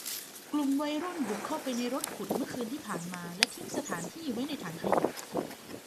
กลุ่มวัยรุ่นบุกเข้าไปในรถขุดเมื่อคืนที่ผ่านมาและทิ้งสถานที่ไว้ในถังขยะ